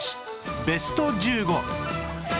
ベスト１５